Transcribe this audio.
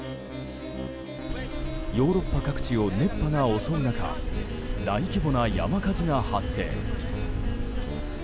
ヨーロッパ各地を熱波が襲う中大規模な山火事が発生。